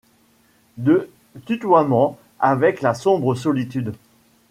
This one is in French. De tutoiement avec la sombre solitude.